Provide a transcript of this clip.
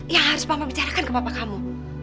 yang harus bapak bicarakan ke bapak kamu